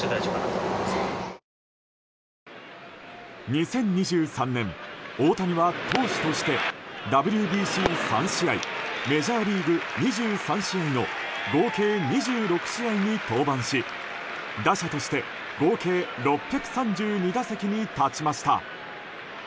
２０２３年、大谷は投手としてＷＢＣ３試合メジャーリーグ２３試合の合計２６試合に登板し打者として合計６３２打席に立ちました。